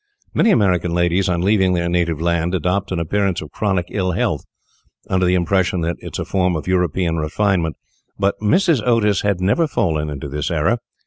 Many American ladies on leaving their native land adopt an appearance of chronic ill health, under the impression that it is a form of European refinement, but Mrs. Otis had never fallen into this error.